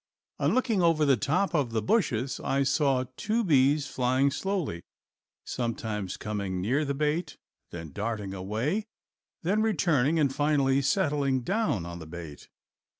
On looking over the top of the bushes I saw two bees flying slowly, sometimes coming near the bait, then darting away, then returning and finally settling down on the bait.